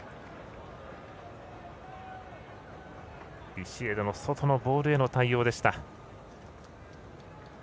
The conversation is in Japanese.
ビシエドの外のボールへの対応でした。